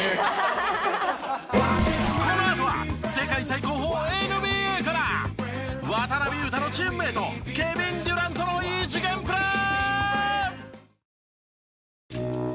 このあとは世界最高峰ＮＢＡから渡邊雄太のチームメイトケビン・デュラントの異次元プレー！